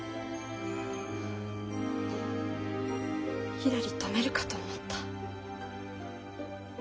ひらり止めるかと思った。